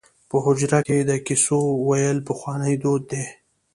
په حجره کې د کیسو ویل پخوانی دود دی.